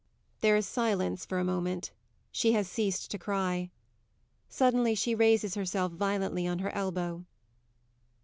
[_There is silence for a moment; she has ceased to cry; suddenly she raises herself violently on her elbow.